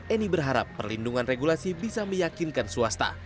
eni berharap perlindungan regulasi bisa meyakinkan swasta